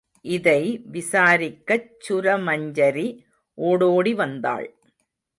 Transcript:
இதை விசாரிக்கச் சுரமஞ்சரி ஓடோடி வந்தாள்.